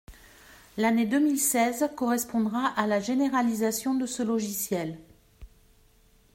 L’année deux mille seize correspondra à la généralisation de ce logiciel.